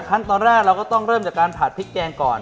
ขั้นตอนแรกเราก็ต้องเริ่มจากการผัดพริกแกงก่อน